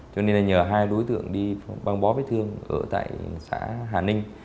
cho nên là nhờ hai đối tượng đi băng bó vết thương ở tại xã hà ninh